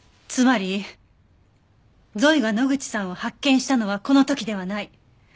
つまりゾイが野口さんを発見したのはこの時ではない。